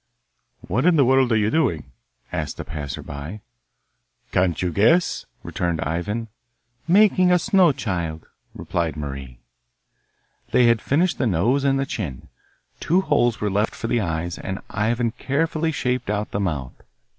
'What in the world are you doing?' asked a passer by. 'Can't you guess?' returned Ivan. 'Making a snow child,' replied Marie. They had finished the nose and the chin. Two holes were left for the eyes, and Ivan carefully shaped out the mouth.